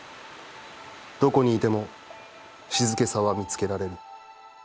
どこにいても静けさは見つけられる。